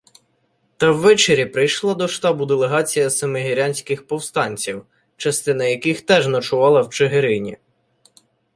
Та ввечері прийшла до штабу делегація семигірянських повстанців, частина яких теж ночувала в Чигирині.